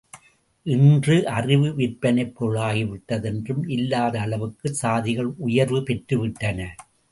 இன்று அறிவு விற்பனைப் பொருளாகிவிட்டது என்றும் இல்லாத அளவுக்குச் சாதிகள் உயர்வு பெற்றுவிட்டன.